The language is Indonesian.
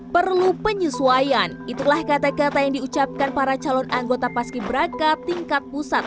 perlu penyesuaian itulah kata kata yang diucapkan para calon anggota paski beraka tingkat pusat